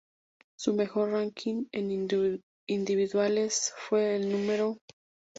Su mejor ranking en individuales fue el No.